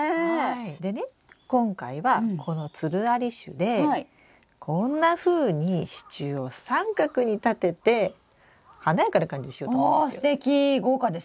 でね今回はこのつるあり種でこんなふうに支柱を三角に立てて華やかな感じにしようと思いますよ。